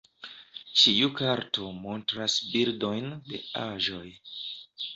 Ĉiu karto montras bildojn de aĵoj.